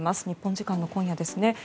日本時間の今夜ですね。